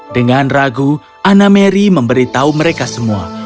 dengan ragu anna mary memberitahu mereka semua